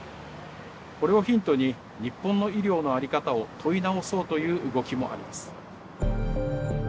これをヒントに日本の医療の在り方を問い直そうという動きもあります。